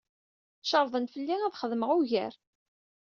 Cerrḍen fell-i ad xedmeɣ ugar.